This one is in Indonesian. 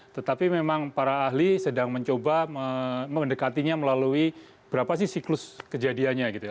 tetapi memang para ahli sedang mencoba mendekatinya melalui berapa sih siklus kejadiannya gitu ya